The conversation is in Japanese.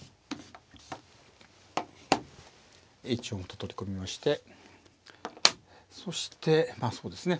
１四歩と取り込みましてそしてまあそうですね